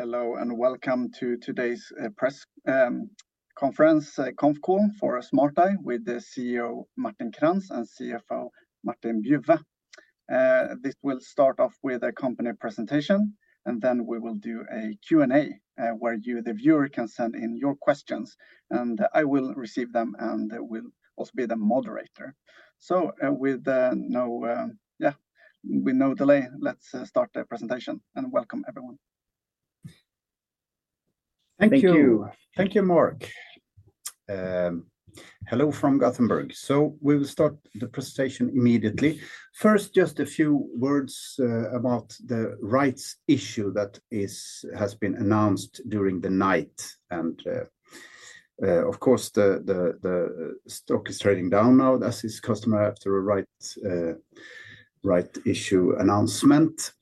Hello, welcome to today's press conference, conf call for Smart Eye with the CEO Martin Krantz and CFO Martin Bjuve. This will start off with a company presentation, then we will do a Q&A, where you, the viewer, can send in your questions. I will receive them. I will also be the moderator. With no delay, let's start the presentation. Welcome, everyone. Thank you. Thank you. Thank you, Mark. Hello from Gothenburg. We will start the presentation immediately. First, just a few words about the rights issue that has been announced during the night. Of course, the stock is trading down now, as is customary after a rights issue announcement.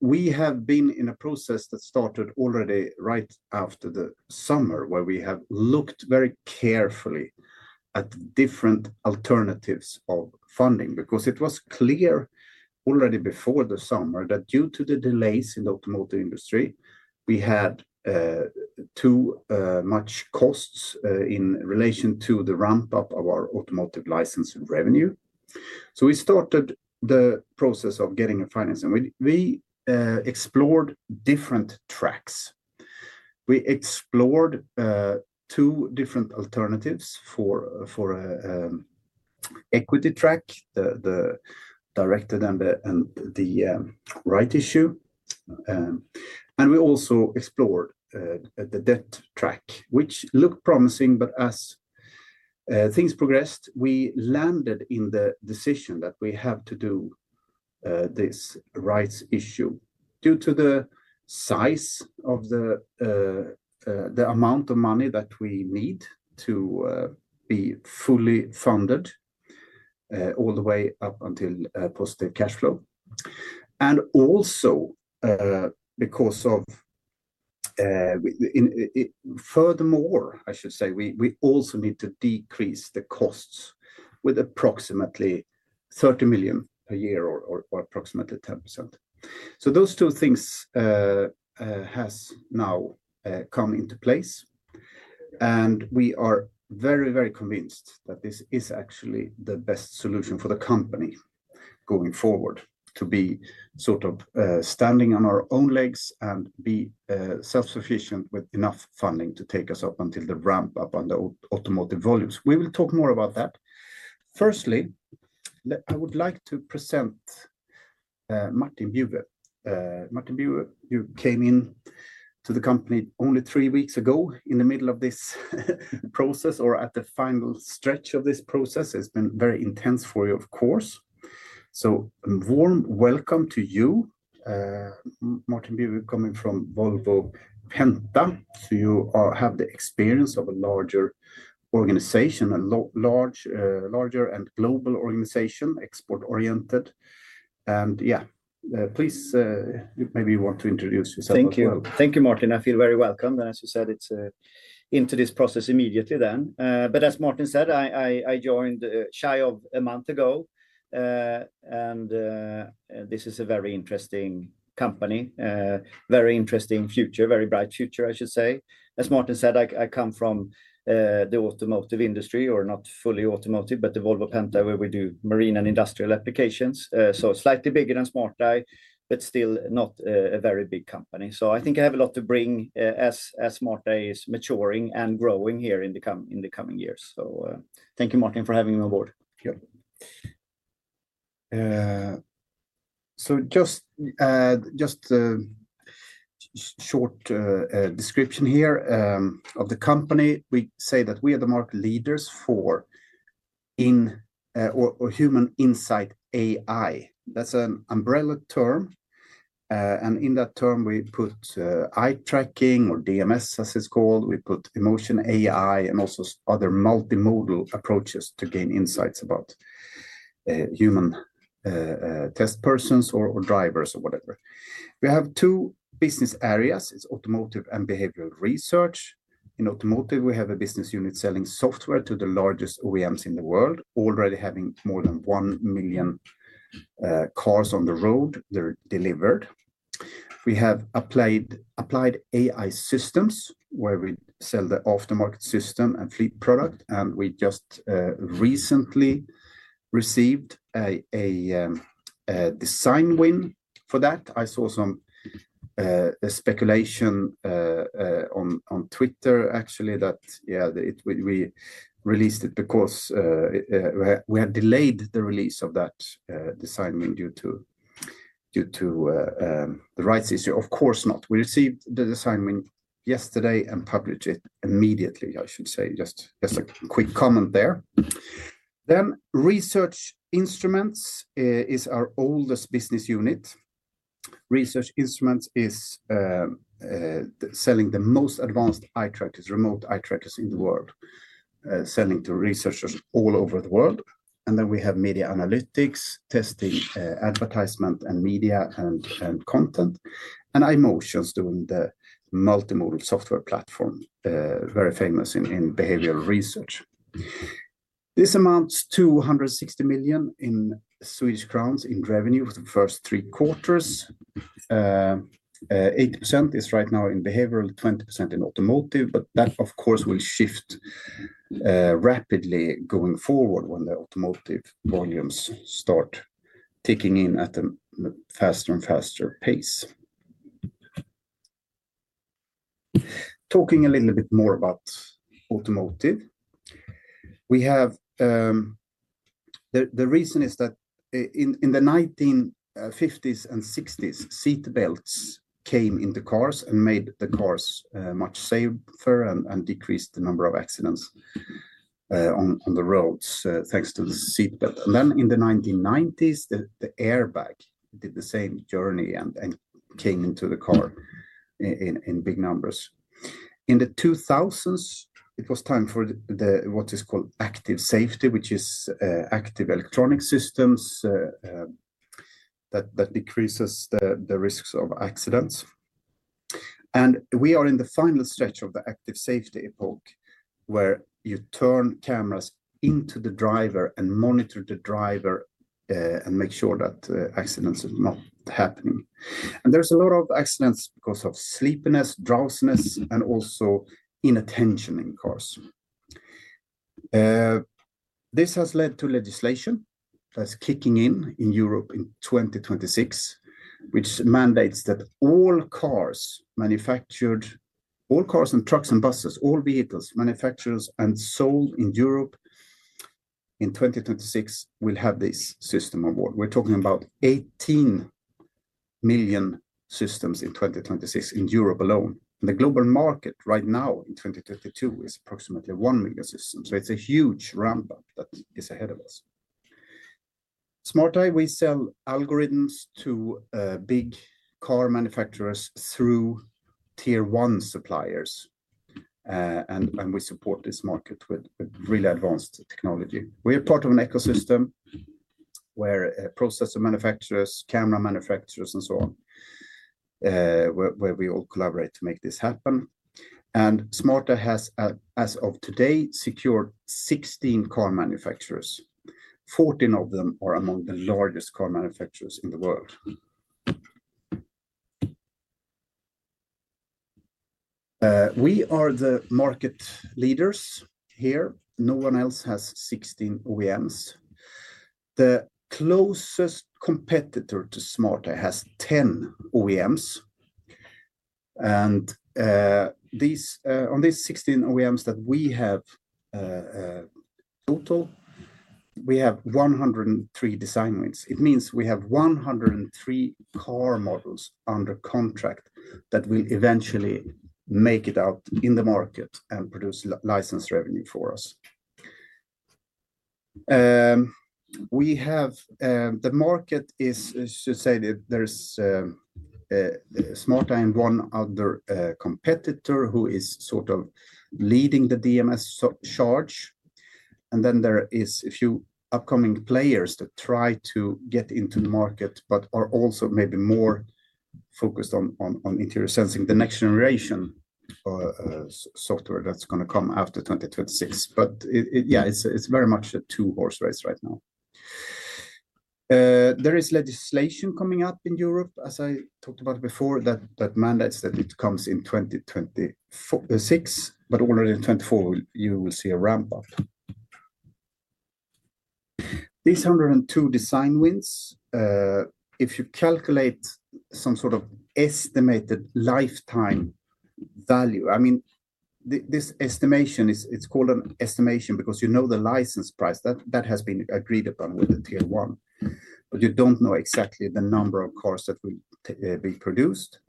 We have been in a process that started already right after the summer, where we have looked very carefully at different alternatives of funding because it was clear already before the summer that due to the delays in the automotive industry, we had too much costs in relation to the ramp-up of our automotive license revenue. We started the process of getting financing. We explored different tracks. We explored two different alternatives for equity track, the directed and the rights issue. We also explored the debt track, which looked promising. As things progressed, we landed in the decision that we have to do this rights issue due to the size of the amount of money that we need to be fully funded all the way up until positive cash flow. Furthermore, I should say we also need to decrease the costs with approximately 30 million a year or approximately 10%. Those two things has now come into place, and we are very, very convinced that this is actually the best solution for the company going forward to be sort of standing on our own legs and be self-sufficient with enough funding to take us up until the ramp-up on the automotive volumes. We will talk more about that. Firstly, I would like to present Martin Bjuve. Martin Bjuve, you came in to the company only three weeks ago in the middle of this process or at the final stretch of this process. It's been very intense for you, of course. A warm welcome to you, Martin Bjuve, coming from Volvo Penta. You have the experience of a larger organization, a larger and global organization, export-oriented. Yeah, please, maybe you want to introduce yourself as well. Thank you. Thank you, Martin. I feel very welcome. As you said, it's into this process immediately then. As Martin said, I joined shy of a month ago. This is a very interesting company, very interesting future, very bright future, I should say. As Martin said, I come from the automotive industry, or not fully automotive, but the Volvo Penta, where we do marine and industrial applications. Slightly bigger than Smart Eye, but still not a very big company. I think I have a lot to bring as Smart Eye is maturing and growing here in the coming years. Thank you, Martin, for having me on board. Sure. Just a short description here of the company. We say that we are the market leaders for in Human Insight AI. That's an umbrella term. In that term, we put eye tracking or DMS, as it's called. We put emotion AI and also other multimodal approaches to gain insights about human test persons or drivers or whatever. We have two business areas. It's automotive and behavioral research. In automotive, we have a business unit selling software to the largest OEMs in the world, already having more than one million cars on the road that are delivered. We have Applied AI Systems where we sell the aftermarket system and fleet product, we just recently received a design win for that. I saw some speculation on Twitter actually that, yeah, we released it because we had delayed the release of that design win due to the rights issue. Of course not. We received the design win yesterday and published it immediately, I should say. Just a quick comment there. Research Instruments is our oldest business unit. Research Instruments is selling the most advanced eye trackers, remote eye trackers in the world, selling to researchers all over the world. We have Media Analytics, testing advertisement and media and content, and iMotions doing the multimodal software platform, very famous in behavioral research. This amounts to 160 million in revenue for the first three quarters. 80% is right now in behavioral, 20% in automotive. That of course, will shift rapidly going forward when the automotive volumes start ticking in at a faster and faster pace. Talking a little bit more about automotive. We have, the reason is that in the 1950s and 1960s, seatbelts came in the cars and made the cars much safer and decreased the number of accidents on the roads thanks to the seatbelt. In the 1990s, the airbag did the same journey and came into the car in big numbers. In the 2000s, it was time for the, what is called active safety, which is active electronic systems that decreases the risks of accidents. We are in the final stretch of the active safety epoch, where you turn cameras into the driver and monitor the driver and make sure that accidents are not happening. There's a lot of accidents because of sleepiness, drowsiness, and also inattention in cars. This has led to legislation that's kicking in in Europe in 2026, which mandates that all cars and trucks and buses, all vehicles, manufactured and sold in Europe in 2026 will have this system on board. We're talking about 18 million systems in 2026 in Europe alone. The global market right now in 2032 is approximately one million systems. It's a huge ramp-up that is ahead of us. Smart Eye, we sell algorithms to big car manufacturers through tier one suppliers. We support this market with really advanced technology. We are part of an ecosystem where processor manufacturers, camera manufacturers and so on, where we all collaborate to make this happen. Smart Eye has, as of today, secured 16 car manufacturers. 14 of them are among the largest car manufacturers in the world. We are the market leaders here. No one else has 16 OEMs. The closest competitor to Smart Eye has 10 OEMs. On these 16 OEMs that we have, total, we have 103 design wins. It means we have 103 car models under contract that will eventually make it out in the market and produce license revenue for us. We have, the market is to say that there's Smart Eye and one other competitor who is sort of leading the DMS charge. There is a few upcoming players that try to get into the market, but are also maybe more focused on interior sensing, the next generation software that's gonna come after 2026. It's yeah, it's very much a two-horse race right now. There is legislation coming up in Europe, as I talked about before, that mandates that it comes in 2026. Already in 2024, you will see a ramp-up. These 102 design wins, if you calculate some sort of estimated lifetime value, I mean, this estimation is called an estimation because you know the license price that has been agreed upon with the tier one. You don't know exactly the number of cars that will be produced.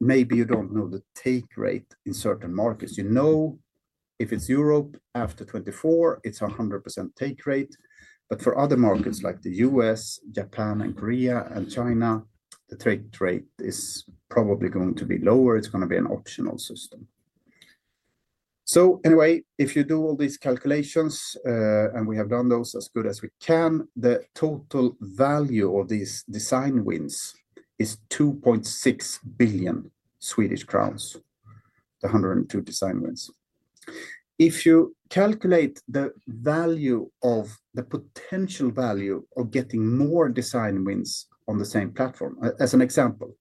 Maybe you don't know the take rate in certain markets. You know, if it's Europe after 2024, it's a 100% take rate. For other markets like the U.S., Japan and Korea and China, the take rate is probably going to be lower. It's gonna be an optional system. Anyway, if you do all these calculations, and we have done those as good as we can, the total value of these design wins is 2.6 billion Swedish crowns, the 102 design wins. If you calculate the value of the potential value of getting more design wins on the same platform. As an example,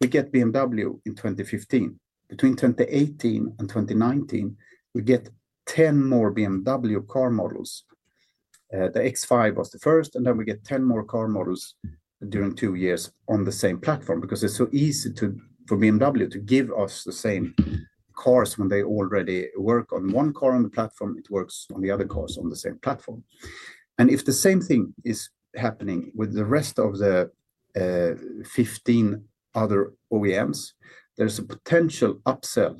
we get BMW in 2015. Between 2018 and 2019, we get 10 more BMW car models. The X5 was the first, and then we get 10 more car models during two years on the same platform because it's so easy for BMW to give us the same cars when they already work on one car on the platform, it works on the other cars on the same platform. If the same thing is happening with the rest of the 15 other OEMs, there's a potential upsell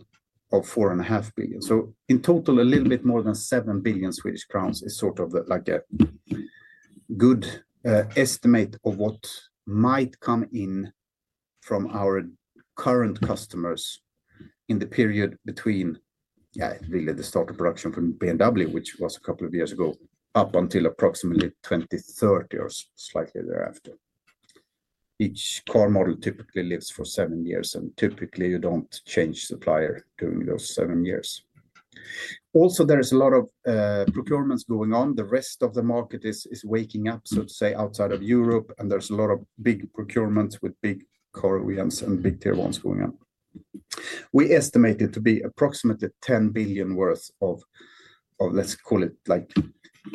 of $4.5 billion. In total, a little bit more than 7 billion Swedish crowns is sort of like a good estimate of what might come in from our current customers in the period between, yeah, really the start of production from BMW, which was a couple of years ago, up until approximately 2030 or slightly thereafter. Each car model typically lives for seven years, and typically you don't change supplier during those seven years. Also, there is a lot of procurements going on. The rest of the market is waking up, so to say, outside of Europe, and there's a lot of big procurements with big core OEMs and big Tier one's going on. We estimate it to be approximately 10 billion worth of, let's call it, like,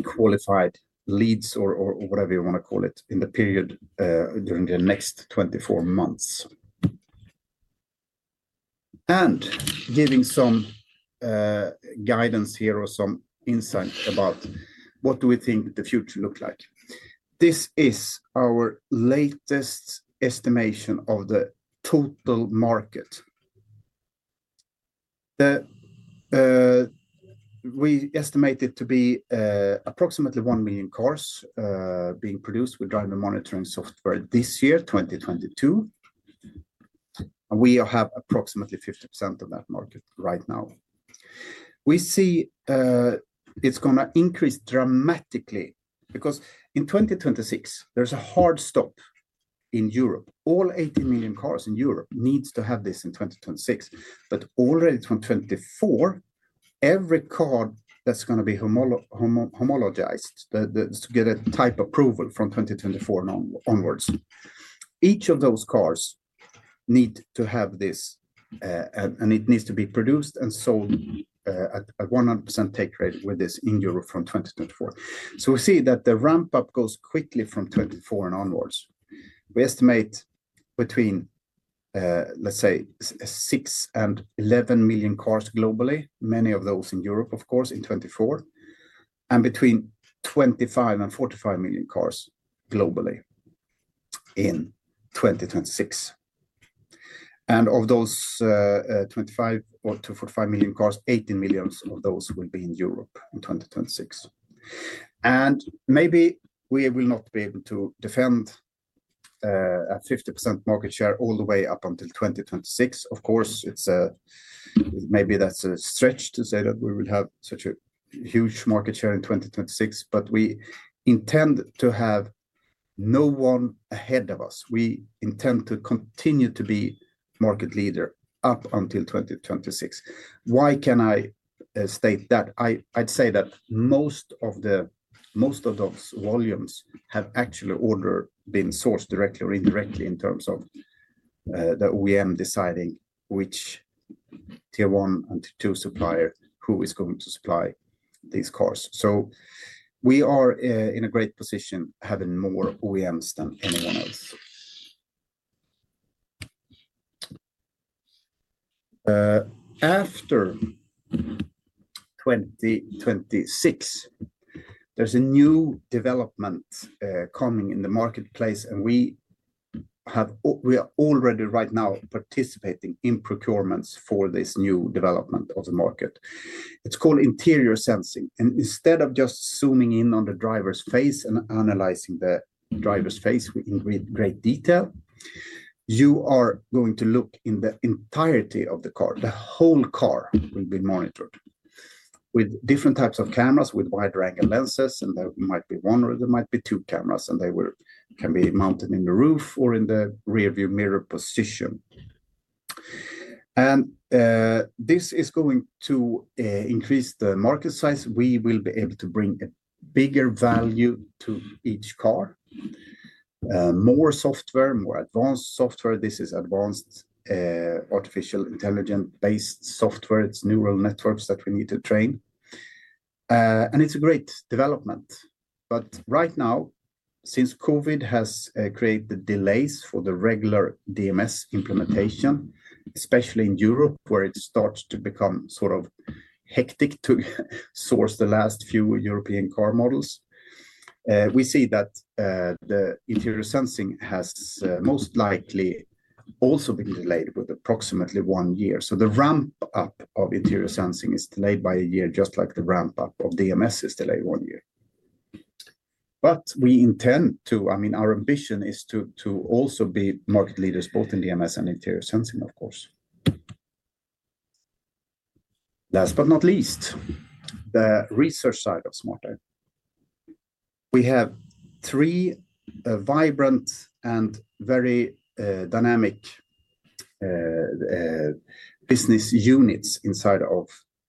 qualified leads or whatever you wanna call it, in the period during the next 24 months. Giving some guidance here or some insight about what do we think the future looks like? This is our latest estimation of the total market. We estimate it to be approximately one million cars being produced with driver monitoring software this year, 2022. We have approximately 50% of that market right now. We see it's gonna increase dramatically, because in 2026, there's a hard stop in Europe. All 80 million cars in Europe need to have this in 2026. Already 2024, every car that's gonna be homologized, to get a type approval from 2024 onwards, each of those cars needs to have this, and it needs to be produced and sold at 100% take rate with this in Europe from 2024. We see that the ramp-up goes quickly from 2024 and onwards. We estimate between six million-11 million cars globally, many of those in Europe, of course, in 2024, and between 25 million-45 million cars globally in 2026. Of those, 25 million-45 million cars, 18 millions of those will be in Europe in 2026. Maybe we will not be able to defend a 50% market share all the way up until 2026. Of course, it's... Maybe that's a stretch to say that we will have such a huge market share in 2026, but we intend to have no one ahead of us. We intend to continue to be market leader up until 2026. Why can I state that? I'd say that most of those volumes have actually order been sourced directly or indirectly in terms of the OEM deciding which Tier one and Tier two supplier, who is going to supply these cars. We are in a great position having more OEMs than anyone else. After 2026, there's a new development coming in the marketplace, and we have, we are already right now participating in procurements for this new development of the market. It's called interior sensing. Instead of just zooming in on the driver's face and analyzing the driver's face in great detail, you are going to look in the entirety of the car. The whole car will be monitored with different types of cameras, with wide-angle lenses, and there might be one or there might be two cameras, and they will... can be mounted in the roof or in the rear view mirror position. This is going to increase the market size. We will be able to bring a bigger value to each car, more software, more advanced software. This is advanced artificial intelligence-based software. It's neural networks that we need to train. It's a great development. Right now, since COVID has created delays for the regular DMS implementation, especially in Europe, where it starts to become sort of hectic to source the last few European car models, we see that the interior sensing has most likely also been delayed with approximately one year. The ramp-up of interior sensing is delayed by a year, just like the ramp-up of DMS is delayed one year. We intend to... I mean, our ambition is to also be market leaders both in DMS and interior sensing, of course. Last but not least, the research side of Smart Eye. We have three vibrant and very dynamic business units inside of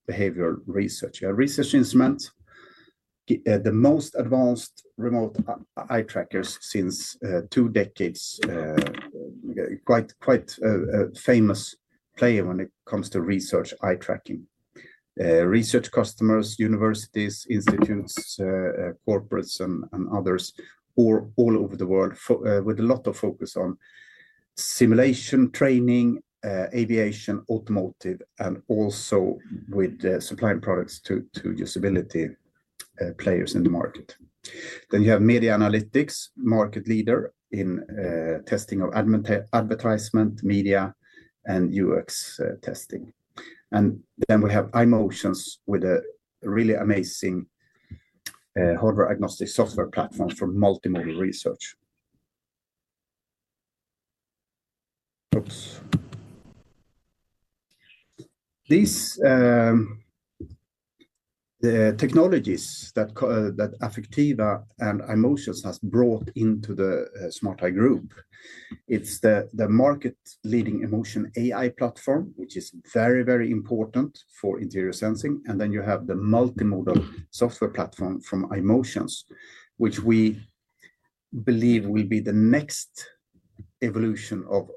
behavioral research. You have Research Instruments, the most advanced remote e-eye trackers since two decades. Quite a famous player when it comes to research eye tracking. Research customers, universities, institutes, corporates and others, all over the world with a lot of focus on simulation training, aviation, automotive, and also with supplying products to usability players in the market. You have Media Analytics, market leader in testing of advertisement, media, and UX testing. We have iMotions with a really amazing hardware-agnostic software platform for multimodal research. These technologies that Affectiva and iMotions has brought into the Smart Eye group, it's the market-leading emotion AI platform, which is very, very important for interior sensing. You have the multimodal software platform from iMotions, which we believe will be the next evolution of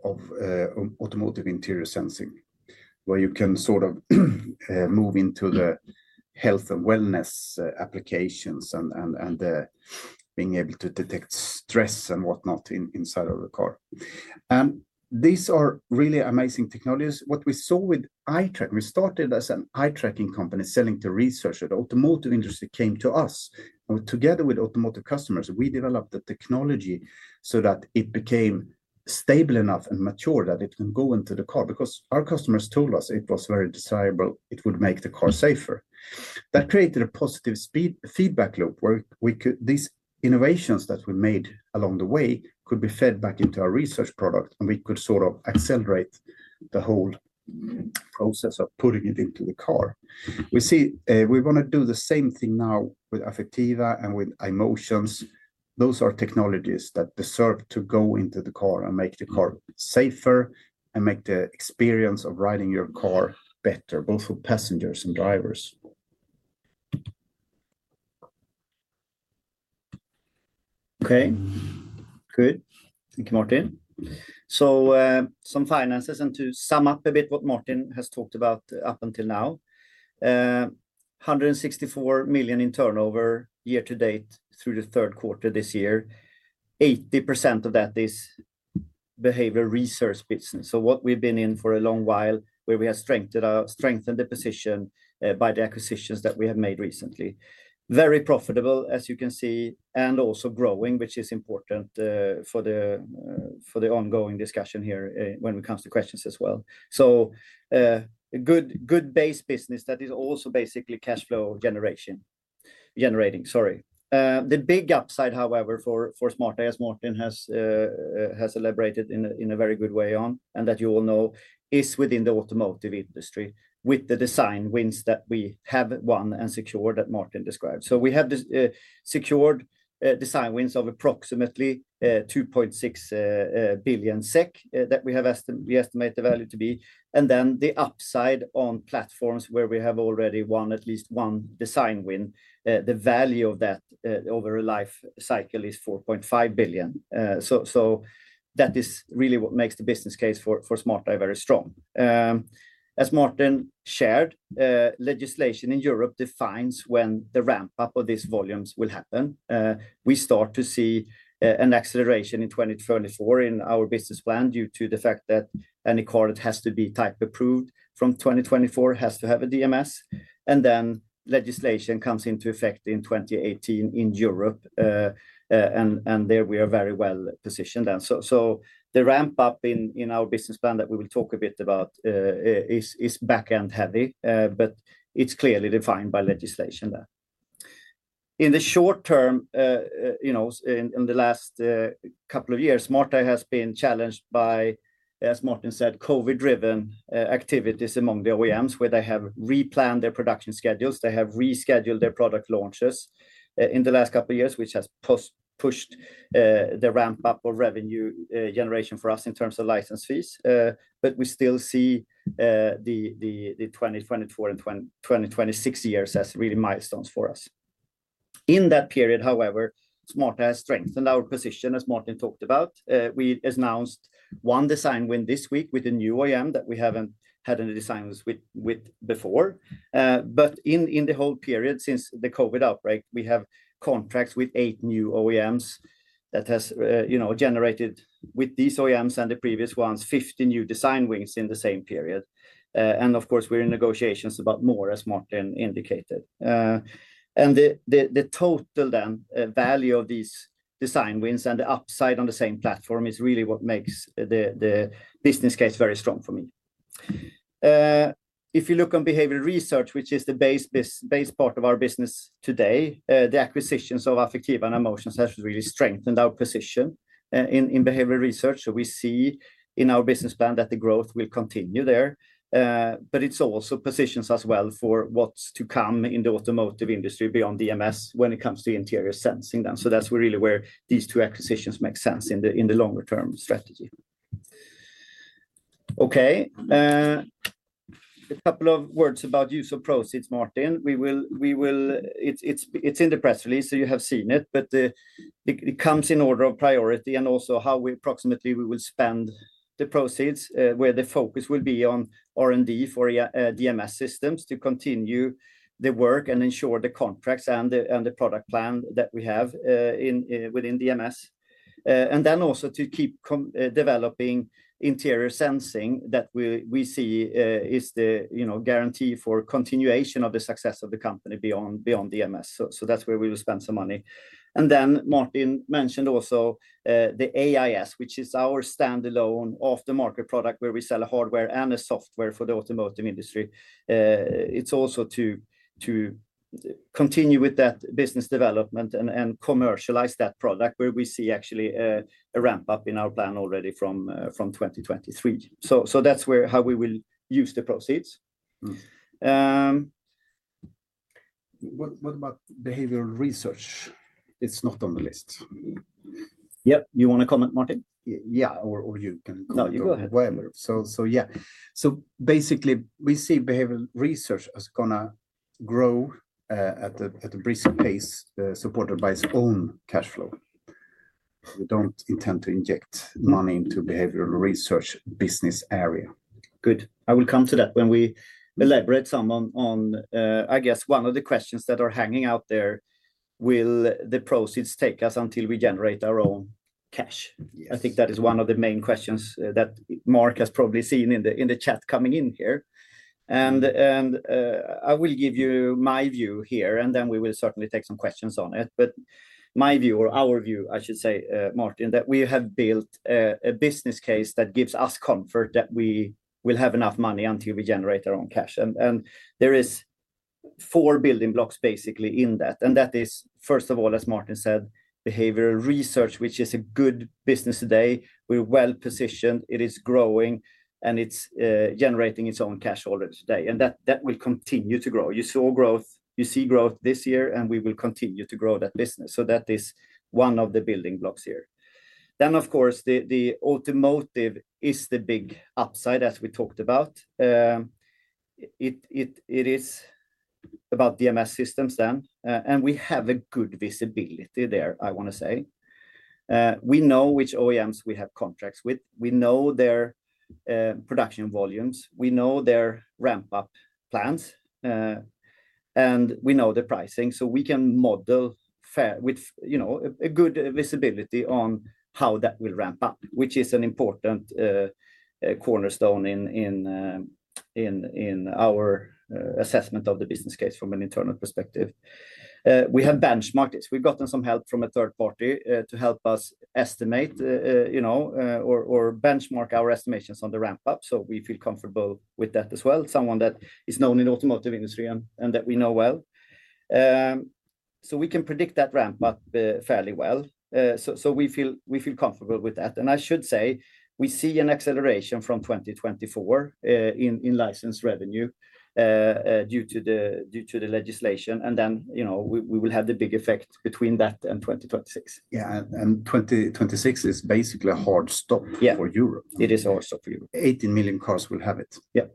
automotive interior sensing, where you can sort of move into the health and wellness applications and being able to detect stress and whatnot inside of a car. These are really amazing technologies. What we saw with. We started as an eye tracking company selling to research. The automotive industry came to us. Together with automotive customers, we developed the technology so that it became stable enough and mature that it can go into the car because our customers told us it was very desirable. It would make the car safer. That created a positive feedback loop, where these innovations that we made along the way could be fed back into our research product, we could sort of accelerate the whole process of putting it into the car. We see, we wanna do the same thing now with Affectiva and with iMotions. Those are technologies that deserve to go into the car and make the car safer and make the experience of riding your car better, both for passengers and drivers. Okay. Good. Thank you, Martin. Some finances, and to sum up a bit what Martin has talked about up until now. 164 million in turnover year to date through the third quarter this year. 80% of that is behavior research business, so what we've been in for a long while, where we have strengthened the position by the acquisitions that we have made recently. Very profitable, as you can see, and also growing, which is important for the ongoing discussion here when it comes to questions as well. A good base business that is also basically cashflow generation. Generating, sorry. The big upside, however, for Smart Eye, as Martin has elaborated in a very good way on, and that you all know, is within the automotive industry with the design wins that we have won and secured that Martin described. We have this secured design wins of approximately 2.6 billion SEK that we estimate the value to be. The upside on platforms where we have already won at least one design win, the value of that over a life cycle is 4.5 billion SEK. That is really what makes the business case for Smart Eye very strong. As Martin shared, legislation in Europe defines when the ramp-up of these volumes will happen. We start to see an acceleration in 2024 in our business plan due to the fact that any car that has to be type approved from 2024 has to have a DMS. Legislation comes into effect in 2018 in Europe. There we are very well-positioned then. The ramp-up in our business plan that we will talk a bit about is back-end heavy, but it's clearly defined by legislation there. In the short term, you know, in the last couple of years, Smart Eye has been challenged by, as Martin said, COVID-driven activities among the OEMs, where they have replanned their production schedules. They have rescheduled their product launches in the last couple of years, which has pushed the ramp-up of revenue generation for us in terms of license fees. We still see the 2024 and 2026 years as really milestones for us. In that period, however, Smart Eye has strengthened our position, as Martin talked about. We announced one design win this week with a new OEM that we haven't had any designs with before. In the whole period since the COVID outbreak, we have contracts with eight new OEMs that has, you know, generated with these OEMs and the previous ones, 50 new design wins in the same period. Of course, we're in negotiations about more, as Martin indicated. The total then value of these design wins and the upside on the same platform is really what makes the business case very strong for me. If you look on behavioral research, which is the base part of our business today, the acquisitions of Affectiva and iMotions has really strengthened our position in behavioral research. We see in our business plan that the growth will continue there. It's also positions us well for what's to come in the automotive industry beyond DMS when it comes to interior sensing then. That's really where these two acquisitions make sense in the longer term strategy. Okay. A couple of words about use of proceeds, Martin. We will. It's in the press release, so you have seen it. It comes in order of priority and also how we approximately we will spend the proceeds, where the focus will be on R&D for DMS systems to continue the work and ensure the contracts and the product plan that we have in within DMS. Also to keep developing interior sensing that we see, you know, is the guarantee for continuation of the success of the company beyond DMS. That's where we will spend some money. Martin mentioned also the AIS, which is our standalone off-the-market product where we sell a hardware and a software for the automotive industry. It's also to continue with that business development and commercialize that product where we see actually a ramp up in our plan already from 2023. How we will use the proceeds. What about behavioral research? It's not on the list. Yep. You want to comment, Martin? Yeah. You can comment or whatever. No, you go ahead. Yeah. Basically, we see behavioral research is gonna grow at a brisk pace, supported by its own cash flow. We don't intend to inject money into behavioral research business area. Good. I will come to that when we elaborate some on, I guess one of the questions that are hanging out there, will the proceeds take us until we generate our own cash? Yes. I think that is one of the main questions that Mark has probably seen in the chat coming in here. I will give you my view here, and then we will certainly take some questions on it. My view or our view, I should say, Martin, that we have built a business case that gives us comfort that we will have enough money until we generate our own cash. There is four building blocks basically in that. That is, first of all, as Martin said, behavioral research, which is a good business today. We're well-positioned, it is growing, and it's generating its own cash already today. That will continue to grow. You see growth this year, and we will continue to grow that business. That is one of the building blocks here. Of course, the automotive is the big upside, as we talked about. It is about DMS systems then, we have a good visibility there, I wanna say. We know which OEMs we have contracts with. We know their production volumes, we know their ramp-up plans, we know the pricing. We can model fair with, you know, a good visibility on how that will ramp up, which is an important cornerstone in our assessment of the business case from an internal perspective. We have benchmarked this. We've gotten some help from a third party to help us estimate, you know, or benchmark our estimations on the ramp-up. We feel comfortable with that as well, someone that is known in automotive industry and that we know well. We can predict that ramp-up fairly well. We feel comfortable with that. I should say we see an acceleration from 2024 in license revenue due to the legislation. You know, we will have the big effect between that and 2026. Yeah. 2026 is basically a hard stop. Yeah. For Europe. It is a hard stop for Europe. 18 million cars will have it. Yeah.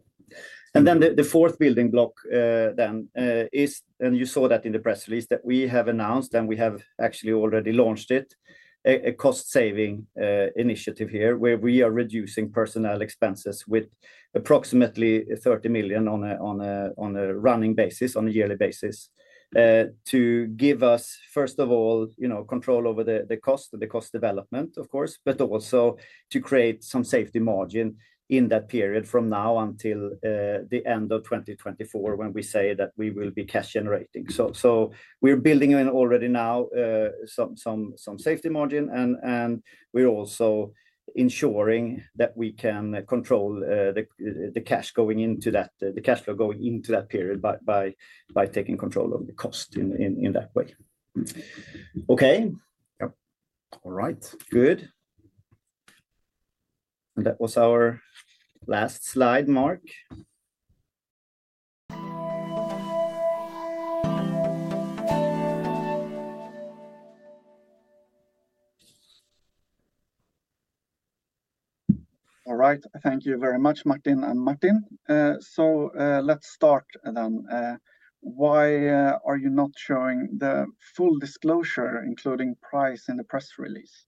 The fourth building block then is, and you saw that in the press release that we have announced, and we have actually already launched it, a cost saving initiative here where we are reducing personnel expenses with approximately 30 million on a running basis, on a yearly basis, to give us, first of all, you know, control over the cost development, of course, but also to create some safety margin in that period from now until the end of 2024 when we say that we will be cash generating. We are building in already now, some safety margin and we are also ensuring that we can control the cash going into that, the cash flow going into that period by taking control of the cost in that way. Okay? Yep. All right. Good. That was our last slide, Mark. All right. Thank you very much, Martin and Martin. Let's start then. Why are you not showing the full disclosure, including price in the press release?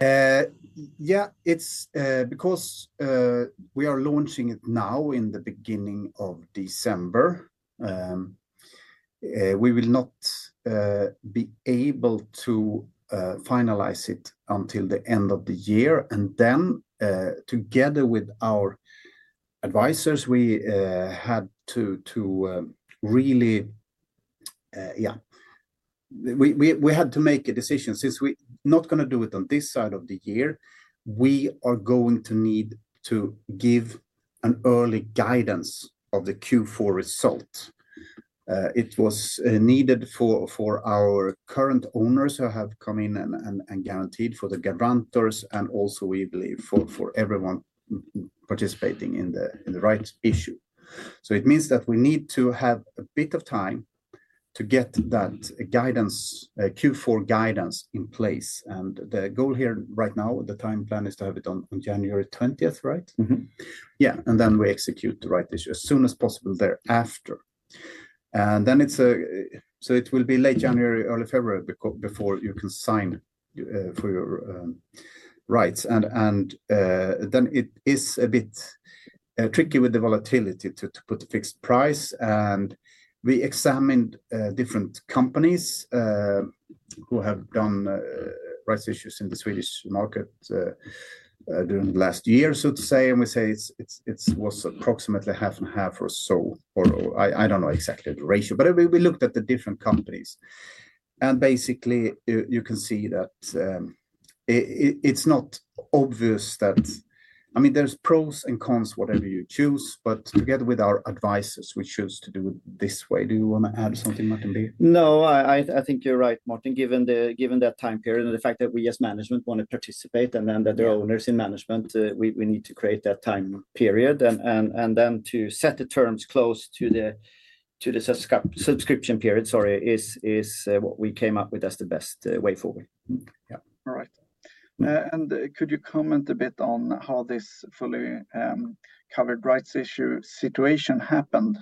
Yeah, it's because we are launching it now in the beginning of December, we will not be able to finalize it until the end of the year. Together with our advisors, we had to really, yeah, we had to make a decision since we're not gonna do it on this side of the year, we are going to need to give an early guidance of the Q4 result. It was needed for our current owners who have come in and guaranteed for the guarantors, and also we believe for everyone participating in the rights issue. It means that we need to have a bit of time to get that guidance, Q4 guidance in place. The goal here right now, the time plan is to have it on January 20th, right? Mm-hmm. Yeah. Then we execute the right issue as soon as possible thereafter. Then it's, it'll be late January, early February before you can sign for your rights. Then it is a bit tricky with the volatility to put a fixed price. We examined different companies who have done rights issues in the Swedish market during the last year, so to say. We say it's was approximately half and half or so, or I don't know exactly the ratio, but we looked at the different companies and basically you can see that. It's not obvious. I mean, there's pros and cons whatever you choose, but together with our advisors, we choose to do it this way. Do you wanna add something, Martin Bjuve? No, I think you're right, Martin. Given that time period and the fact that we as management want to participate and then that there are owners in management, we need to create that time period. To set the terms close to the subscription period, sorry, is what we came up with as the best way forward. All right. Could you comment a bit on how this fully covered rights issue situation happened?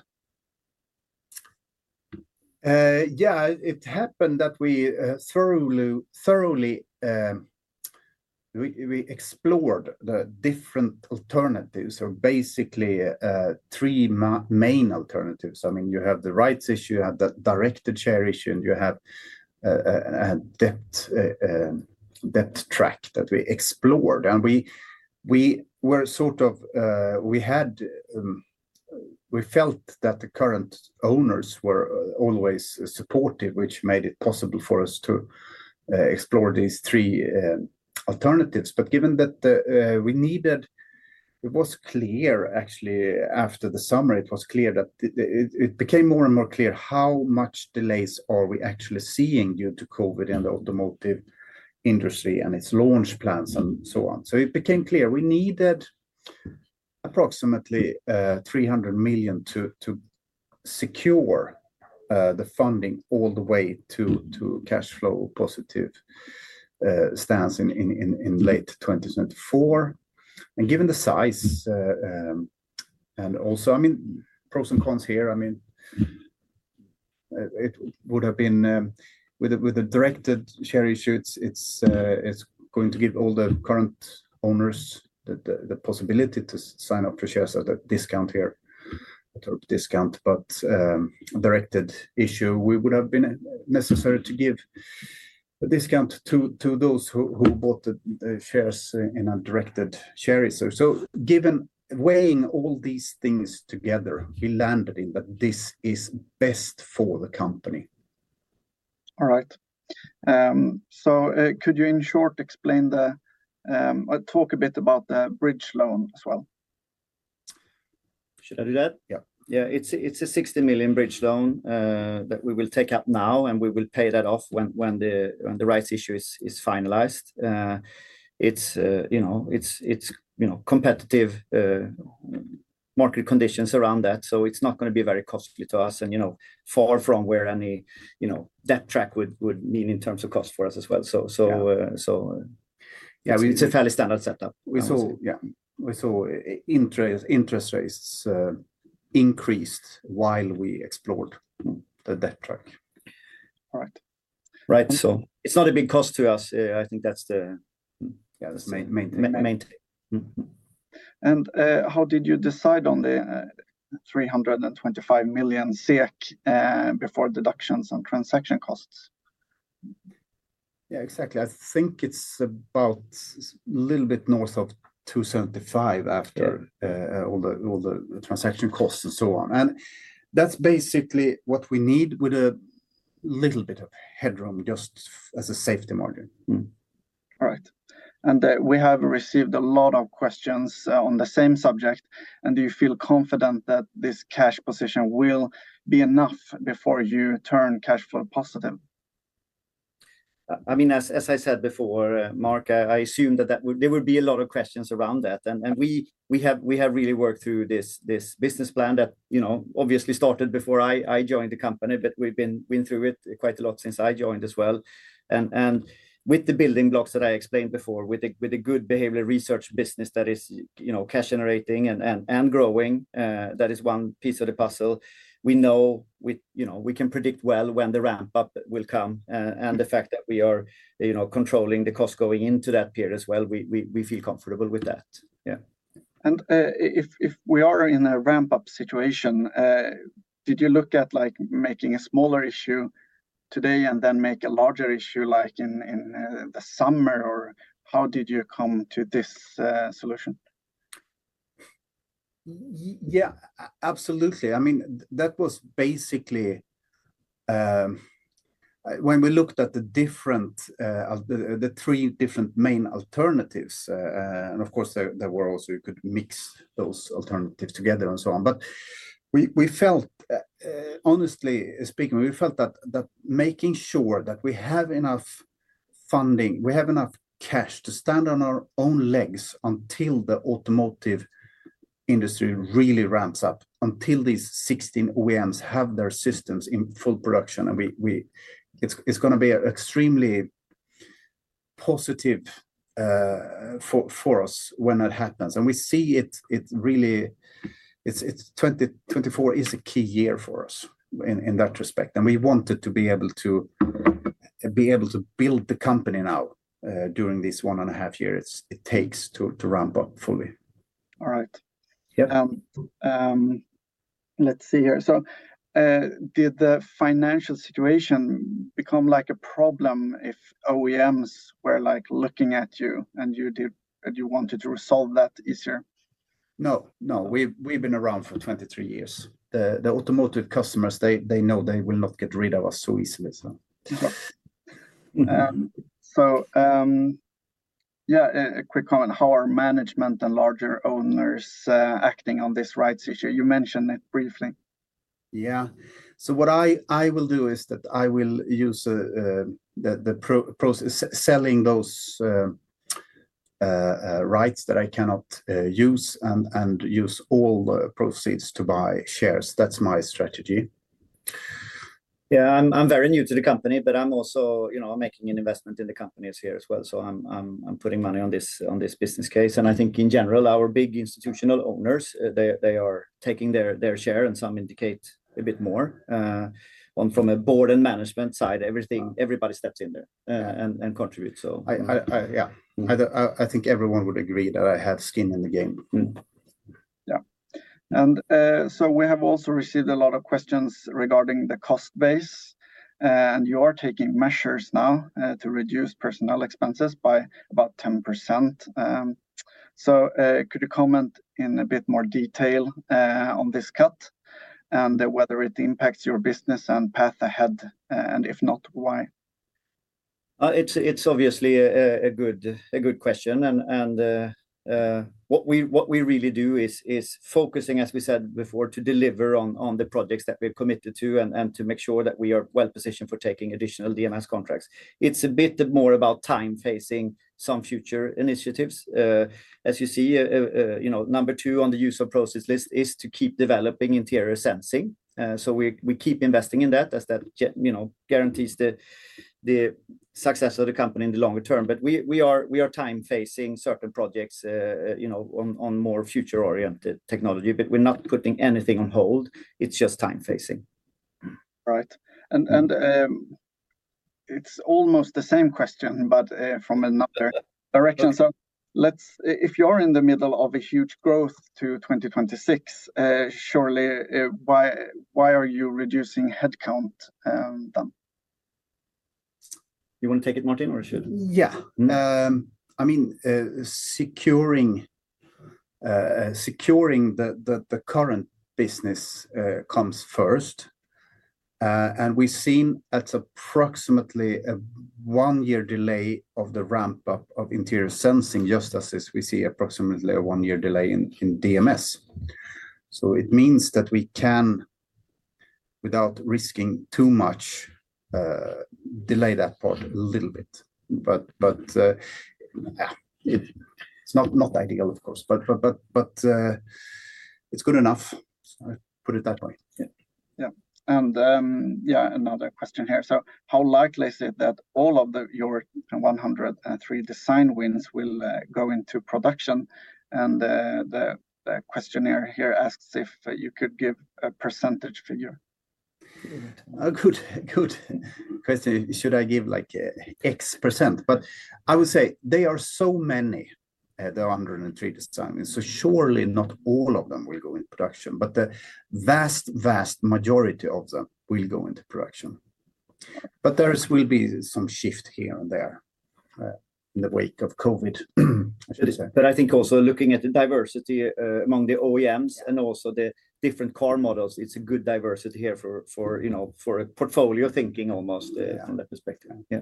Yeah. It happened that we thoroughly explored the different alternatives or basically, three main alternatives. I mean, you have the rights issue, you have the directed share issue, and you have debt track that we explored. We were sort of, we had, we felt that the current owners were always supportive, which made it possible for us to explore these three alternatives. Given that the, it became more and more clear how much delays are we actually seeing due to COVID in the automotive industry and its launch plans and so on. It became clear we needed approximately 300 million to secure the funding all the way to cash flow positive stance in late 2024. Given the size, and also, I mean, pros and cons here, I mean, it would have been with a directed share issue, it's going to give all the current owners the possibility to sign up for shares at a discount here. Sort of discount. Directed issue, we would have been necessary to give a discount to those who bought the shares in a directed share issue. Weighing all these things together, we landed in that this is best for the company. All right. could you in short explain the, or talk a bit about the bridge loan as well? Should I do that? Yeah. Yeah. It's a 60 million bridge loan that we will take up now, and we will pay that off when the rights issue is finalized. It's, you know, competitive market conditions around that, so it's not going to be very costly to us and, you know, far from where any, you know, debt track would mean in terms of cost for us as well. Yeah. Yeah, it's a fairly standard setup. Yeah. We saw interest rates increased while we explored the debt track. All right. Right. It's not a big cost to us. I think that's the. Yeah. The main thing. Main thing. Mm-hmm. how did you decide on the 325 million SEK before deductions on transaction costs? Yeah, exactly. I think it's about little bit north of 275. Yeah. All the transaction costs and so on. That's basically what we need with a little bit of headroom just as a safety margin. All right. We have received a lot of questions, on the same subject. Do you feel confident that this cash position will be enough before you turn cash flow positive? I mean, as I said before, Mark, I assume that there would be a lot of questions around that. We have really worked through this business plan that, you know, obviously started before I joined the company, but we've been went through it quite a lot since I joined as well. With the building blocks that I explained before, with the good behavioral research business that is, you know, cash-generating and growing, that is one piece of the puzzle. We know You know, we can predict well when the ramp-up will come. And the fact that we are, you know, controlling the cost going into that period as well, we feel comfortable with that. Yeah. If we are in a ramp-up situation, did you look at, like, making a smaller issue today and then make a larger issue like in the summer? Or how did you come to this solution? Absolutely. I mean, that was basically when we looked at the different, the three different main alternatives, of course, there were also you could mix those alternatives together and so on. We felt, honestly speaking, we felt that making sure that we have enough funding, we have enough cash to stand on our own legs until the automotive industry really ramps up, until these 16 OEMs have their systems in full production. It's gonna be extremely positive for us when that happens. We see it really. It's 2024 is a key year for us in that respect. We wanted to be able to build the company now during this 1 and a half years it takes to ramp up fully. All right. Yeah. Let's see here. Did the financial situation become like a problem if OEMs were, like, looking at you and you wanted to resolve that issue? No, no, we've been around for 23 years. The automotive customers, they know they will not get rid of us so easily, so. Yeah, a quick comment. How are management and larger owners acting on this rights issue? You mentioned it briefly. Yeah. What I will do is that I will use selling those rights that I cannot use and use all the proceeds to buy shares. That's my strategy. Yeah, I'm very new to the company, but I'm also, you know, making an investment in the company this year as well, so I'm, I'm putting money on this, on this business case. I think in general, our big institutional owners, they are taking their share and some indicate a bit more. On from a board and management side, everybody steps in there and contribute. I, yeah. I think everyone would agree that I have skin in the game. Yeah. We have also received a lot of questions regarding the cost base, and you are taking measures now to reduce personnel expenses by about 10%. Could you comment in a bit more detail on this cut, and whether it impacts your business and path ahead, and if not, why? It's obviously a good question and what we really do is focusing, as we said before, to deliver on the projects that we've committed to and to make sure that we are well-positioned for taking additional DMS contracts. It's a bit more about time-phasing some future initiatives. As you see, you know, number two on the use of process list is to keep developing interior sensing. We keep investing in that as that you know, guarantees the success of the company in the longer term. We are time-phasing certain projects, you know, on more future-oriented technology, but we're not putting anything on hold. It's just time-phasing. Right. It's almost the same question, but from another direction. If you're in the middle of a huge growth to 2026, surely, why are you reducing headcount, then? You wanna take it, Martin, or should-? Yeah. I mean, securing the current business comes first. We've seen it's approximately a one-year delay of the ramp-up of interior sensing, just as we see approximately a one-year delay in DMS. It means that we can, without risking too much, delay that part a little bit. Yeah, it's not ideal, of course, but it's good enough. I'll put it that way. Yeah. Yeah. Yeah, another question here. How likely is it that all of your 103 design wins will go into production? The questionnaire here asks if you could give a percentage figure. A good question. Should I give, like, X percent? I would say there are so many, the 103 design wins, surely not all of them will go in production. The vast majority of them will go into production. There's will be some shift here and there, in the wake of COVID, I should say. I think also looking at the diversity among the OEMs and also the different car models, it's a good diversity here for, you know, for a portfolio thinking almost from that perspective. Yeah.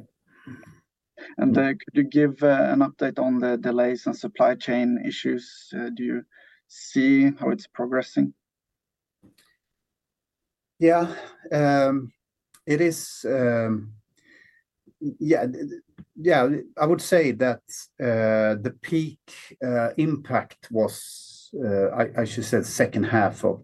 Could you give an update on the delays and supply chain issues? Do you see how it's progressing? Yeah. I would say that the peak impact was I should say second half of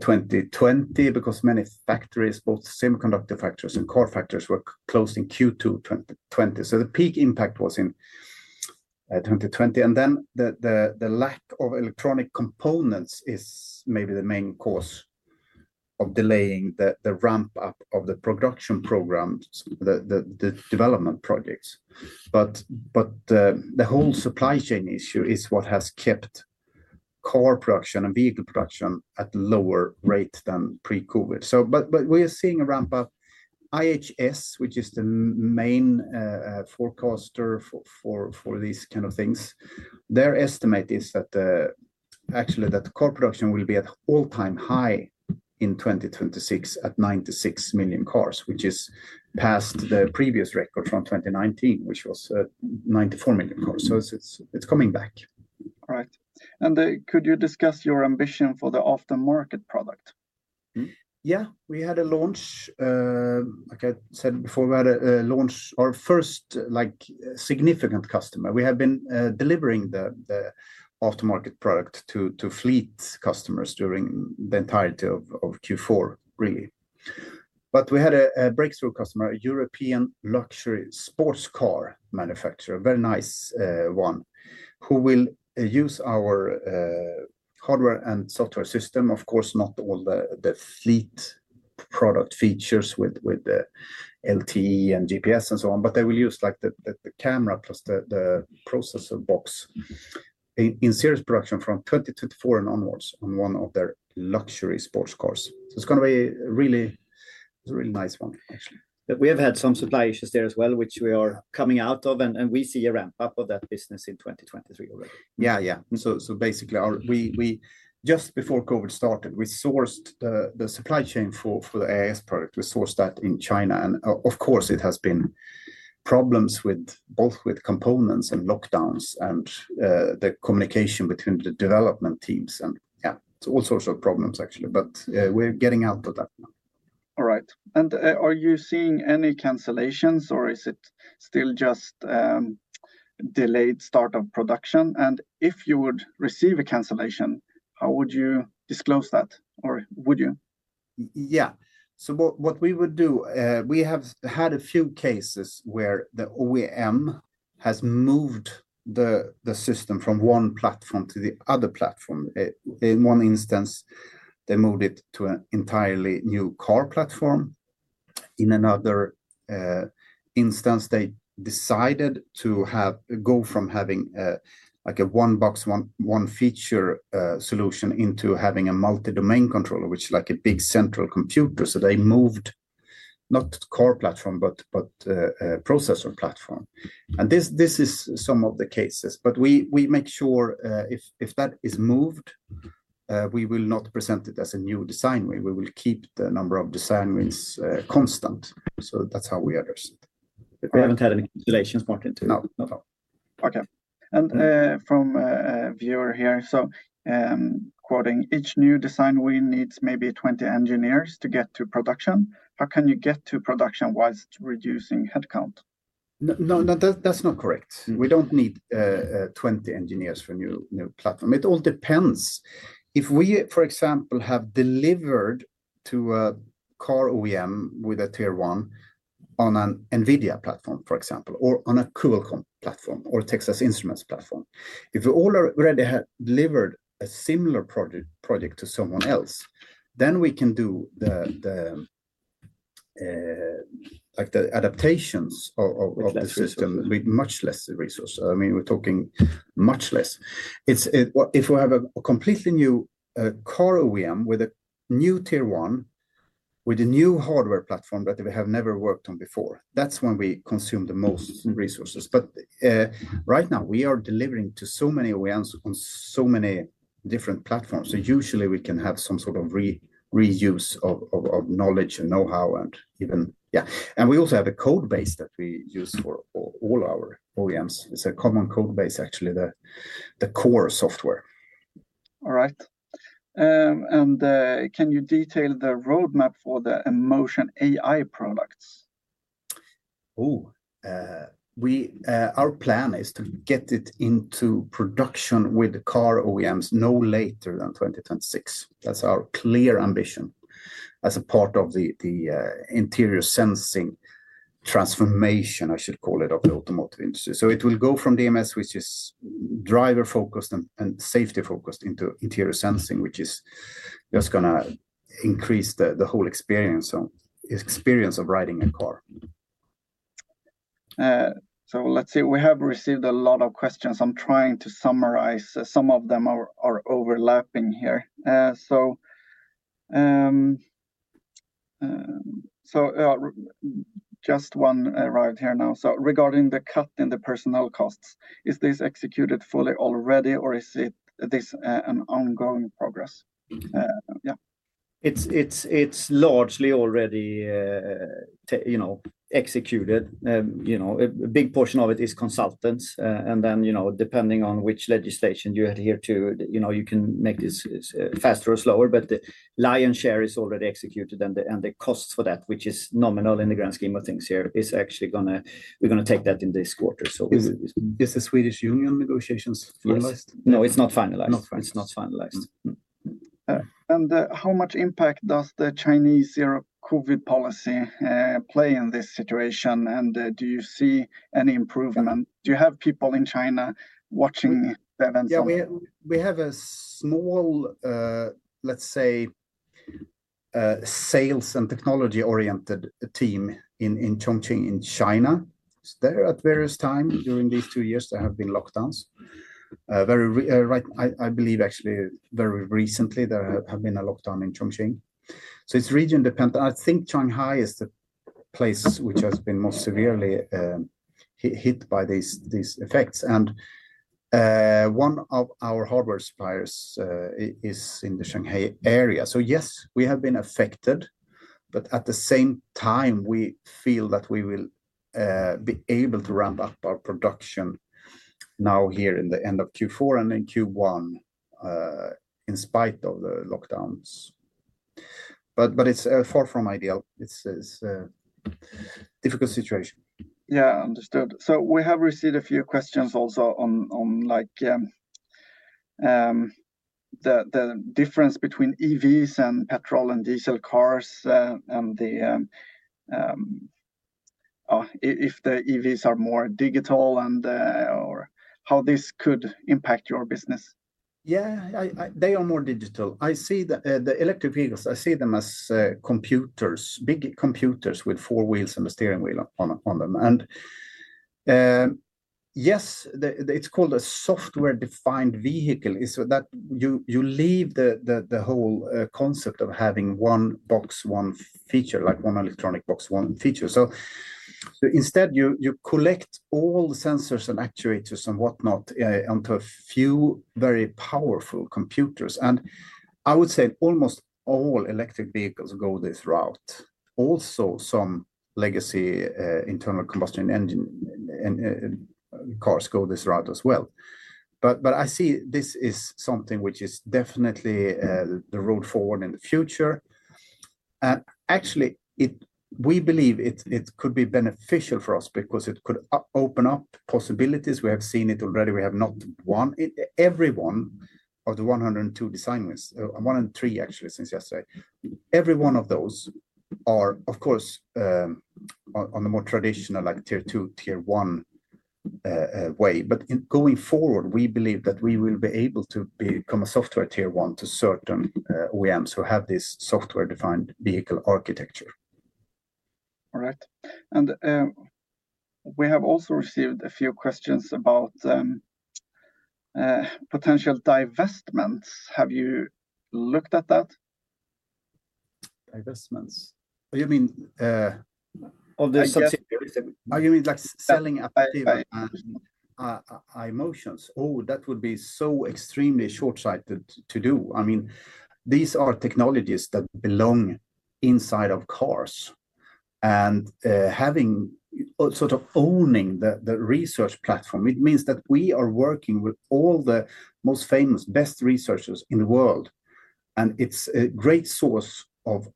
2020 because many factories, both semiconductor factories and car factories were closed in Q2 2020. The peak impact was in 2020. Then the lack of electronic components is maybe the main cause of delaying the ramp-up of the production programs, the development projects. The whole supply chain issue is what has kept car production and vehicle production at lower rates than pre-COVID. We're seeing a ramp-up. IHS, which is the main forecaster for these kind of things, their estimate is that actually that car production will be at all-time high in 2026 at 96 million cars, which is past the previous record from 2019, which was 94 million cars. It's coming back. All right. Could you discuss your ambition for the aftermarket product? Yeah. We had a launch, like I said before, we had a launch, our first, like, significant customer. We have been delivering the aftermarket product to fleet customers during the entirety of Q4, really. We had a breakthrough customer, a European luxury sports car manufacturer, very nice one, who will use our hardware and software system. Of course, not all the fleet product features with the LTE and GPS and so on, but they will use, like, the camera plus the processor box. In serious production from 2020-2024 and onwards on one of their luxury sports cars. It's a really nice one actually. We have had some supply issues there as well, which we are coming out of and we see a ramp up of that business in 2023 already. Yeah. Yeah. Basically our, we just before COVID started, we sourced the supply chain for the AIS product. We sourced that in China. Of course it has been problems with, both with components and lockdowns and the communication between the development teams and yeah. All sorts of problems actually. We're getting out of that now. All right. Are you seeing any cancellations or is it still just delayed start of production? If you would receive a cancellation, how would you disclose that? Or would you? Yeah. What we would do, we have had a few cases where the OEM has moved the system from one platform to the other platform. In one instance, they moved it to an entirely new car platform. In another instance they decided to go from having like a one box one feature solution into having a Multi-Domain Controller, which like a big central computer. They moved not car platform, but processor platform. This is some of the cases. We make sure if that is moved, we will not present it as a new design win. We will keep the number of design wins constant. That's how we address it. We haven't had any cancellations, Martin. No. Not at all. Okay. From a viewer here, so, quoting, "Each new design win needs maybe 20 engineers to get to production. How can you get to production whilst reducing head count? No, no, that's not correct. We don't need 20 engineers for new platform. It all depends. If we, for example, have delivered to a car OEM with a tier one on an Nvidia platform, for example, or on a Qualcomm platform, or Texas Instruments platform. If we already had delivered a similar project to someone else, then we can do the like the adaptations of the system. With less resources. With much less resource. I mean, we're talking much less. It's if we have a completely new car OEM with a new tier one, with a new hardware platform that we have never worked on before, that's when we consume the most resources. Right now we are delivering to so many OEMs on so many different platforms. Usually we can have some sort of reuse of knowledge and know-how and even. Yeah. We also have a code base that we use for all our OEMs. It's a common code base, actually, the core software. All right. Can you detail the roadmap for the emotion AI products? Ooh, we, our plan is to get it into production with the car OEMs no later than 2026. That's our clear ambition as a part of the interior sensing transformation, I should call it, of the automotive industry. It'll go from DMS, which is driver focused and safety focused into interior sensing, which is just gonna increase the whole experience of riding a car. Let's see. We have received a lot of questions. I'm trying to summarize. Some of them are overlapping here. Just one arrived here now. Regarding the cut in the personnel costs, is this executed fully already or is this an ongoing progress? Yeah. It's largely already you know, executed. You know, a big portion of it is consultants. Then, you know, depending on which legislation you adhere to, you know, you can make this faster or slower. The lion's share is already executed. The cost for that, which is nominal in the grand scheme of things here, we're gonna take that in this quarter. It's. Is the Swedish union negotiations finalized? Yes. No, it's not finalized. Not finalized. It's not finalized. How much impact does the Chinese zero COVID policy play in this situation? Do you see any improvement? Do you have people in China watching the events? Yeah, we have a small, let's say, sales and technology oriented team in Chongqing in China. It's there at various time during these two years there have been lockdowns. Right. I believe actually very recently there have been a lockdown in Chongqing. It's region dependent. I think Shanghai is the place which has been most severely hit by these effects. One of our hardware suppliers is in the Shanghai area. Yes, we have been affected, but at the same time we feel that we will be able to ramp up our production now here in the end of Q4 and in Q1 in spite of the lockdowns. It's far from ideal. It's a difficult situation. Yeah. Understood. We have received a few questions also on like, the difference between EVs and petrol and diesel cars. If the EVs are more digital or how this could impact your business. Yeah, I, they are more digital. I see the electric vehicles, I see them as computers, big computers with four wheels and a steering wheel on them. Yes, the, it's called a Software-Defined Vehicle. It's that you leave the whole concept of having one box, one feature, like one electronic box, one feature. Instead you collect all the sensors and actuators and whatnot onto a few very powerful computers. I would say almost all electric vehicles go this route. Also some legacy internal combustion engine and cars go this route as well. I see this is something which is definitely the road forward in the future. Actually, we believe it could be beneficial for us because it could open up possibilities. We have seen it already. We have not one... Every one of the 102 design wins, 103 actually since yesterday, every one of those are, of course, on the more traditional, like Tier two, tier one, way. Going forward, we believe that we will be able to become a software tier one to certain OEMs who have this Software-Defined Vehicle architecture. All right. We have also received a few questions about potential divestments. Have you looked at that? Divestments? Oh, you mean. Of the sub. Are you mean, like selling Aptiv and iMotions? Oh, that would be so extremely shortsighted to do. I mean, these are technologies that belong inside of cars. Having sort of owning the research platform, it means that we are working with all the most famous, best researchers in the world, and it's a great source of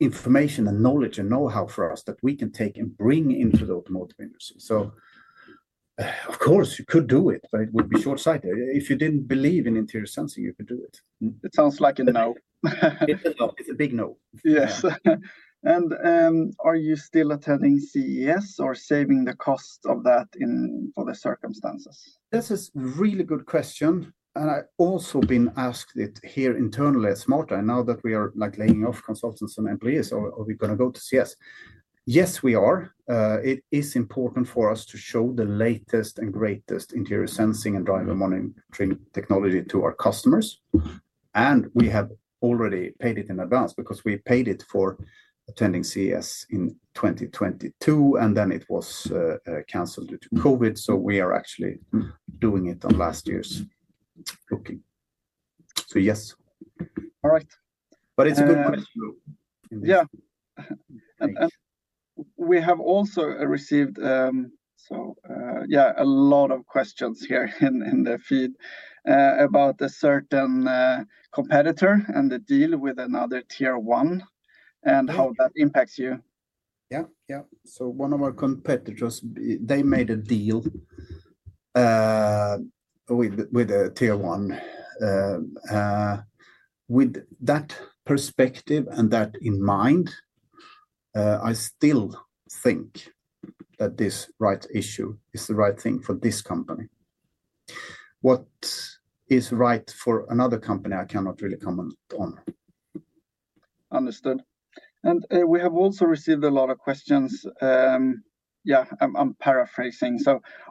information and knowledge and know-how for us that we can take and bring into the automotive industry. Of course you could do it, but it would be shortsighted. If you didn't believe in interior sensing, you could do it. It sounds like a no. It's a no. It's a big no. Yes. Are you still attending CES or saving the cost of that in, for the circumstances? This is really good question. I also been asked it here internally at Smart Eye. Now that we are, like, laying off consultants and employees, are we gonna go to CES? Yes, we are. It is important for us to show the latest and greatest interior sensing and driver monitoring technology to our customers. We have already paid it in advance because we paid it for attending CES in 2022, then it was canceled due to COVID. We are actually doing it on last year's booking. Yes. All right. It's a good question. Yeah. We have also received, so, yeah, a lot of questions here in the feed, about a certain competitor and the deal with another tier one... [how] And how that impacts you. Yeah, yeah. One of our competitors, they made a deal with a tier one. With that perspective and that in mind, I still think that this rights issue is the right thing for this company. What is right for another company I cannot really comment on. Understood. We have also received a lot of questions, yeah, I'm paraphrasing.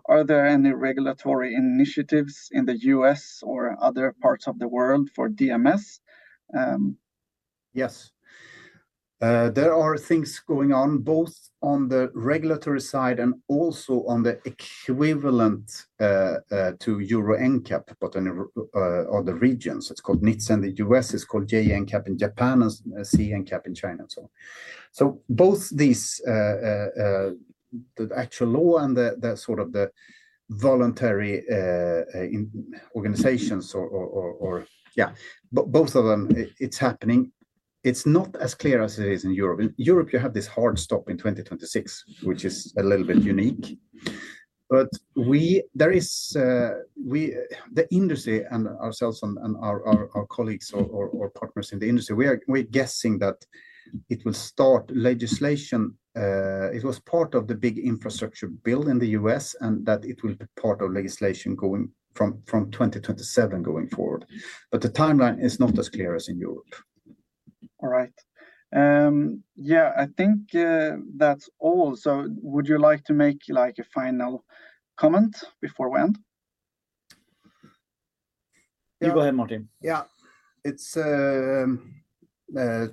Are there any regulatory initiatives in the US or other parts of the world for DMS? Yes. There are things going on both on the regulatory side and also on the equivalent to Euro NCAP, but in other regions. It's called NHTSA in the U.S., it's called JNCAP in Japan, and C-NCAP in China and so on. Both these, the actual law and the sort of the voluntary in organizations or, yeah, both of them, it's happening. It's not as clear as it is in Europe. In Europe you have this hard stop in 2026, which is a little bit unique. We, there is, we, the industry and ourselves and our colleagues or partners in the industry, we are, we're guessing that it will start legislation. It was part of the big infrastructure build in the U.S., and that it will be part of legislation going from 2027 going forward. The timeline is not as clear as in Europe. All right. Yeah, I think, that's all. Would you like to make, like, a final comment before we end? You go ahead, Martin. Yeah. It's a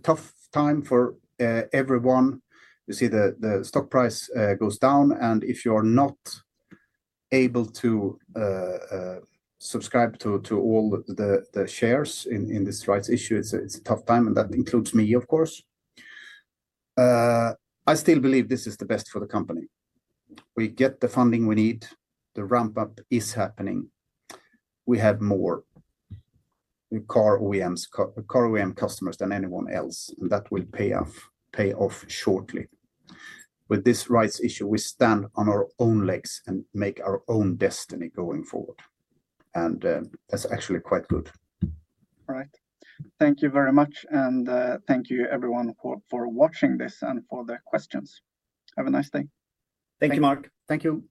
tough time for everyone. You see the stock price goes down, and if you're not able to subscribe to all the shares in this rights issue, it's a tough time, and that includes me, of course. I still believe this is the best for the company. We get the funding we need. The ramp-up is happening. We have more car OEMs, car OEM customers than anyone else, and that will pay off shortly. With this rights issue, we stand on our own legs and make our own destiny going forward, and that's actually quite good. All right. Thank you very much and, thank you everyone for watching this and for the questions. Have a nice day. Thank you, Mark. Thank you.